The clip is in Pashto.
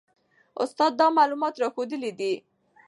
استاد دا معلومات راښوولي دي.